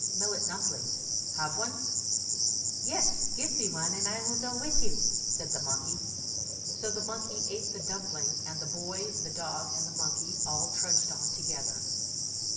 " Millet dumplings. Have one ?" "Yes; give me one, and I will go with you," said the monkey. So the monkey ate the dumpling; and the boy, the dog, and the mon key all trudged on together.